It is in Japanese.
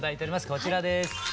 こちらです。